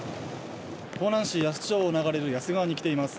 香南市夜須町を流れる夜須川に来ています。